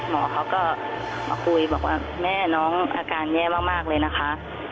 มาคุยบอกว่าแม่น้องอาการแย่มากเลยนะคะ